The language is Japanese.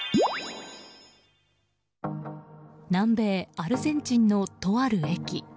南米アルゼンチンのとある駅。